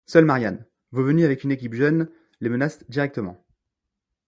Seule Marianne Vos venue avec une équipe jeune les menace directement.